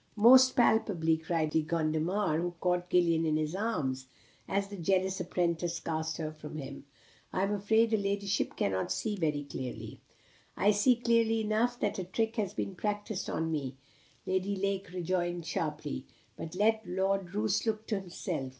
"Most palpably," cried the Conde de Gondomar, who had caught Gillian in his arms, as the jealous apprentice cast her from him. "I am afraid her ladyship cannot see very clearly." "I see clearly enough that a trick has been practised upon me," Lady Lake rejoined sharply. "But let Lord Roos look to himself.